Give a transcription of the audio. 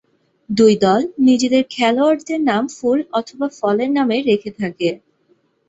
দুই দল নিজেদের খেলোয়াড়দের নাম ফুল অথবা ফলের নামে রেখে থাকে।